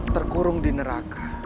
terkurung di neraka